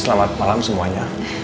selamat malam semuanya